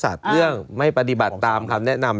สร้างสัตว์เรื่องไม่ปฏิบัติตามคำแนะนำ